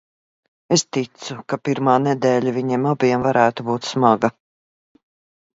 Es ticu, ka pirmā nedēļa viņiem abiem varētu būt smaga.